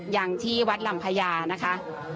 อย่างที่วัดลำพญานะคะ